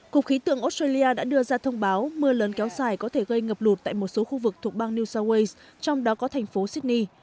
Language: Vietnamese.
cục khí tượng australia đã đưa ra thông báo mưa lớn kéo dài có thể gây ngập lụt tại một số khu vực thuộc bang new south wales trong đó có thành phố sydney